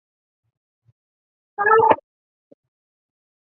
而赫梅尔尼茨基的大军一直都在向西进发。